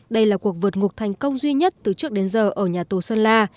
đây là cuộc vượt ngục thành công duy nhất từ trước đến giờ ở nhà tù sơn la